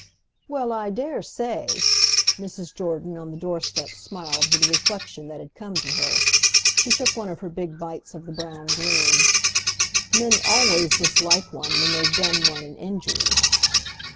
"Well, I dare say." Mrs. Jordan, on the doorstep, smiled with a reflexion that had come to her; she took one of her big bites of the brown gloom. "Men always dislike one when they've done one an injury."